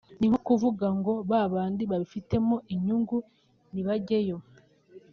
ni nko kuvuga ngo ba bandi babifitemo inyungu nibajyeyo